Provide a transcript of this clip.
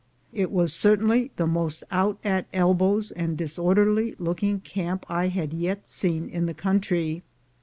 It was certainly the most out at elbows and disorderly looking camp I had yet seen in the country.